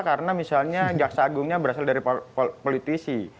karena misalnya jaksa agungnya berasal dari polisianik